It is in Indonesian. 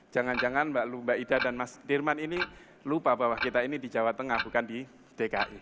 jangan jangan mbak ida dan mas dirman ini lupa bahwa kita ini di jawa tengah bukan di dki